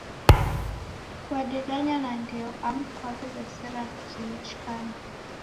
Kwadedanya na ndeo amu kwaw'ew'esera kio chikambe?